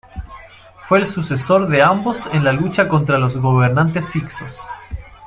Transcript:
Fue el sucesor de ambos en la lucha contra los gobernantes hicsos.